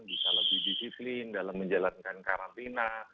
bisa lebih disiplin dalam menjalankan karantina